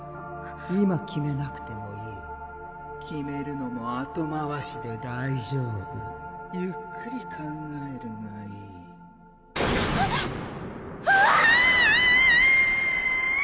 今決めなくてもいい決めるのもあとまわしで大丈夫ゆっくり考えるがいいアァーッ！